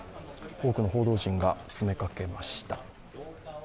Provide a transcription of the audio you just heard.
多くの報道陣が詰めかけました。